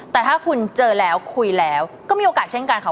แต่ถ้าคุณเจอแล้วคุยแล้วก็มีโอกาสเช่นกันค่ะ